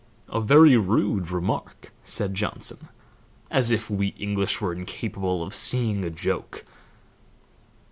'" "A very rude remark," said Johnson. "As if we English were incapable of seeing a joke!"